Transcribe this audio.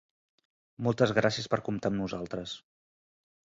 Moltes gràcies per comptar amb nosaltres.